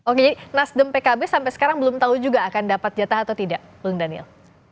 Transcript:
oke nasdem pkb sampai sekarang belum tahu juga akan dapat jatah atau tidak bung daniel